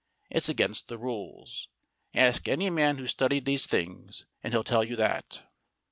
It's against the rules. Ask any man who's studied these things, and he'll tell you that."